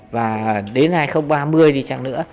và đến hai nghìn ba mươi thì chẳng hạn